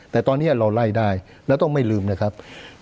แต่ตอนนี้เราไล่ได้แล้วต้องไม่ลืมนะครับ